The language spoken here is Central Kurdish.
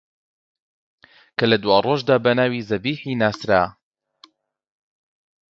کە لە دواڕۆژدا بە ناوی زەبیحی ناسرا